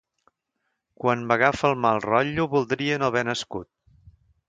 Quan m'agafa el mal rotllo voldria no haver nascut.